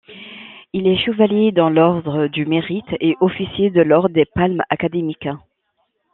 Il est chevalier dans l'ordre du Mérite et officier de l'ordre des Palmes académiques.